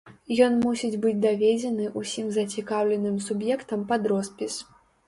Ён мусіць быць даведзены ўсім зацікаўленым суб'ектам пад роспіс.